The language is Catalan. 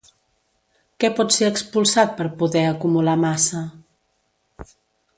Què pot ser expulsat per poder acumular massa?